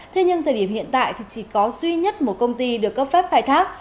thế nhưng thời điểm hiện tại thì chỉ có duy nhất một công ty được cấp phép khai thác